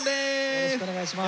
よろしくお願いします。